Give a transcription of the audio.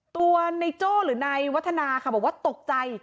ตัวในโจ้หรือนายวัฒนาค่ะบอกว่าตกใจ